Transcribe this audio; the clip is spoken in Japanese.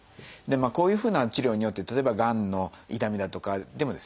こういうふうな治療によって例えばがんの痛みだとかでもですね